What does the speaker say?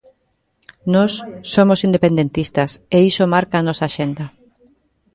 Nós somos independentistas e iso marca a nosa axenda.